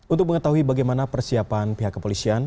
untuk mengetahui bagaimana persiapan pihak kepolisian